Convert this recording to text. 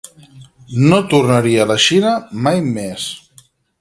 No tornaria a la Xina mai més.